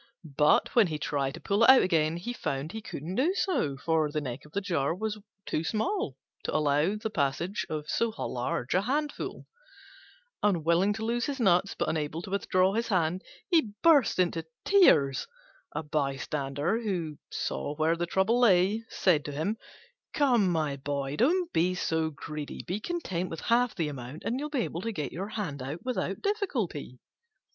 But when he tried to pull it out again, he found he couldn't do so, for the neck of the jar was too small to allow of the passage of so large a handful. Unwilling to lose his nuts but unable to withdraw his hand, he burst into tears. A bystander, who saw where the trouble lay, said to him, "Come, my boy, don't be so greedy: be content with half the amount, and you'll be able to get your hand out without difficulty."